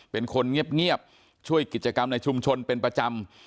เป็นคนเงียบช่วยกิจกรรมในชุมชนเป็นประจำ